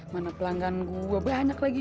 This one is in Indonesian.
mana pelanggan gue banyak lagi